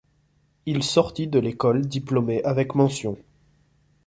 Il sortit de l'école diplômé avec mention.